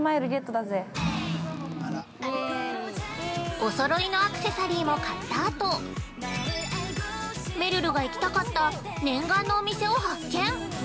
◆おそろいのアクセサリーも買った後、めるるが行きたかった念願のお店を発見。